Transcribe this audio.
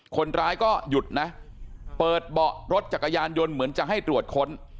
คนร้ายก็หยุดนะเปิดเบาะรถจักรยานยนต์เหมือนจะให้ตรวจค้น